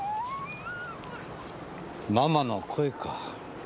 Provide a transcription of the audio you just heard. ママの声か。